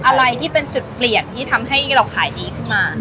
อะไรที่เป็นจุดเปลี่ยนที่ทำให้เราขายดีขึ้นมา